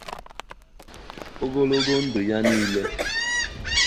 ogologo ndụ ya niile.